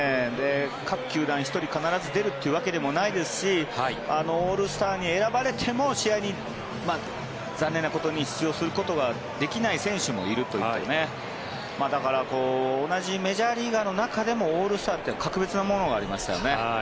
各球団１人必ず出るというわけでもないですしオールスターに選ばれても試合に残念なことに出場することができない選手もいる中でだから同じメジャーリーガーの中でもオールスターって格別なものがありますよね。